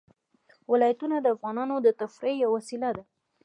ولایتونه د افغانانو د تفریح یوه وسیله ده.